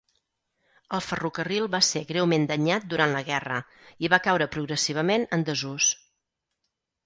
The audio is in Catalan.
El ferrocarril va ser greument danyat durant la guerra i va caure progressivament en desús.